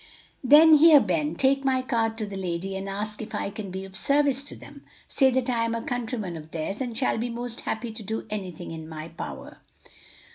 "Then here, Ben, take my card to the lady and ask if I can be of service to them. Say that I am a countryman of theirs and shall be most happy to do anything in my power."